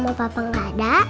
opa selama papa gak ada